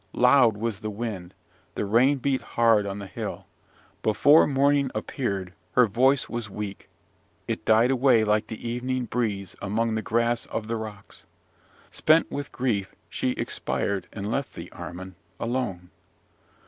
Loud was the wind; the rain beat hard on the hill. Before morning appeared, her voice was weak; it died away like the evening breeze among the grass of the rocks. Spent with grief, she expired, and left thee, Armin, alone.